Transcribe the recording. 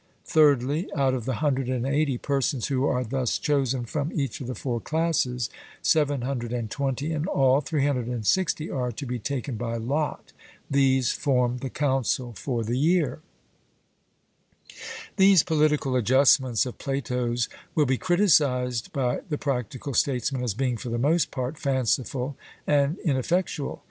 Thirdly, out of the 180 persons who are thus chosen from each of the four classes, 720 in all, 360 are to be taken by lot; these form the council for the year. These political adjustments of Plato's will be criticised by the practical statesman as being for the most part fanciful and ineffectual.